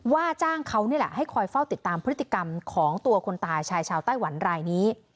ว่าจ้างเขานี่แหละให้คอยเฝ้าติดตามพฤติกรรมของตัวคนตายชายชาวไต้หวันรายนี้